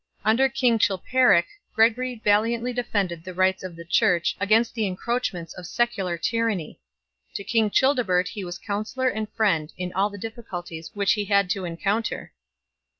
Under king Chilperic Gregory valiantly defended the rights of the Church against the encroachments of secular tyranny ; to king Childebert he was counsellor and friend in all the diffi culties which he had to encounter.